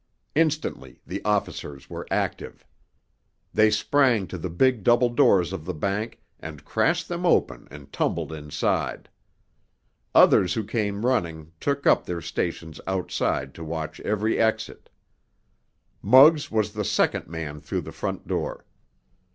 Instantly the officers were active. They sprang to the big double doors of the bank and crashed them open and tumbled inside. Others who came running took up their stations outside to watch every exit. Muggs was the second man through the front door.